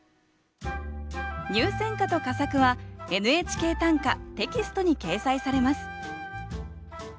入選歌と佳作は「ＮＨＫ短歌」テキストに掲載されます